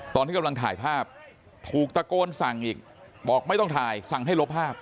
ตอนที่กำลังถ่ายภาพถูกตะโกนสั่งอีกบอกไม่ต้องถ่ายสั่งให้ลบภาพ